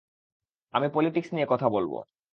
আমি পলিটিক্স নিয়ে কথা বলব।